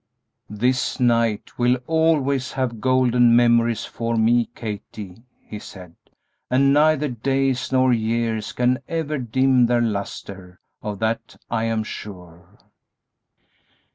"This night will always have golden memories for me, Kathie," he said, "and neither days nor years can ever dim their lustre; of that I am sure."